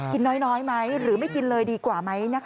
น้อยไหมหรือไม่กินเลยดีกว่าไหมนะคะ